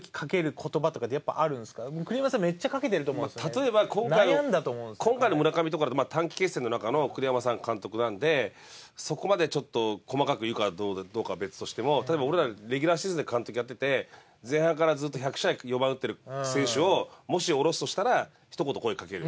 例えば今回の村上とかだと短期決戦の中の栗山さんが監督なんでそこまでちょっと細かく言うかどうかは別としても例えば俺らレギュラーシーズンで監督やってて前半からずっと１００試合４番打ってる選手をもし下ろすとしたらひと言声かけるよね。